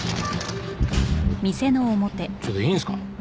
ちょっといいんですか？